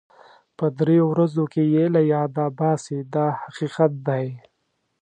په دریو ورځو کې یې له یاده باسي دا حقیقت دی.